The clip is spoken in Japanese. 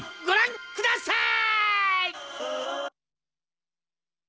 ごらんください！